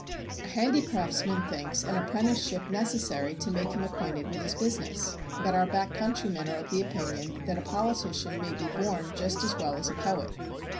"A handicraftsman thinks an apprenticeship necessary to make him acquainted with his business. But our backcountrymen are of the opinion that a politician may be born just as well as a poet."